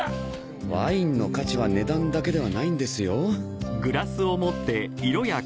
ワインの価値は値段だけではないんですよ。